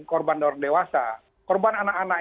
korban orang dewasa korban anak anak